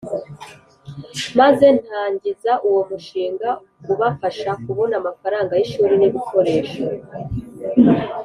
maze ntangiza uwo mushinga ubafasha kubona amafaranga y’ishuri n’ibikoresho.